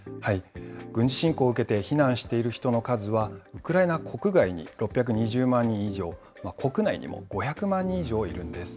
軍事侵攻を受けて避難している人の数は、ウクライナ国外に６２０万人以上、国内にも５００万人以上いるんです。